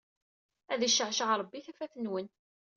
Ad iceɛceɛ Rebbi tafat-nwen.